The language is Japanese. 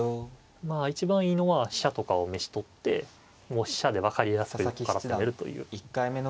まあ一番いいのは飛車とかを召し捕ってもう飛車で分かりやすく横から攻めるという。